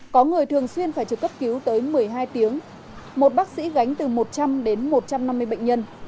có người thường xuyên phải trực cấp cứu tới một mươi hai tiếng một bác sĩ gánh từ một trăm linh đến một trăm năm mươi bệnh nhân